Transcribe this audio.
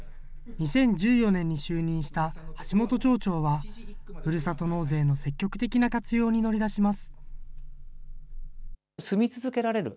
２０１４年に就任した橋本町長は、ふるさと納税の積極的な活用に乗り出します。